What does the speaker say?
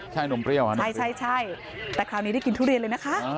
ใช่นมเปรี้ยวนะใช่แต่คราวนี้ได้กินทุเรียนเลยนะคะ